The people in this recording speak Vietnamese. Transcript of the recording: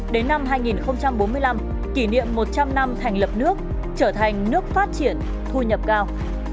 đến năm hai nghìn bốn mươi năm kỷ niệm một trăm linh năm thành lập nước trở thành nước phát triển thu nhập cao